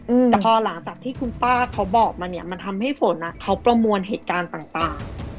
อืมแต่พอหลังจากที่คุณป้าเขาบอกมาเนี้ยมันทำให้ฝนอ่ะเขาประมวลเหตุการณ์ต่างต่าง